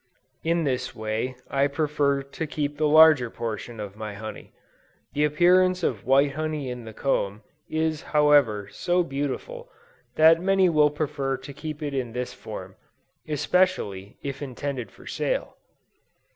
In this way, I prefer to keep the larger portion of my honey. The appearance of white honey in the comb, is however, so beautiful, that many will prefer to keep it in this form, especially, if intended for sale.